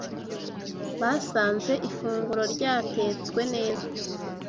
Basanze ifunguro ryatetswe neza